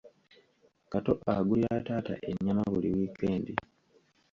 Kato agulira taata ennyama buli wiikendi.